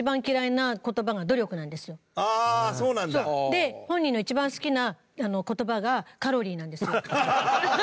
で本人の一番好きな言葉がカロリーなんですよ。